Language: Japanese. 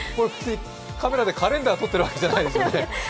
カメラでカレンダー撮ってるわけじゃないですよね。